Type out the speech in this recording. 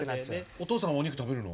お父さんお肉食べるの？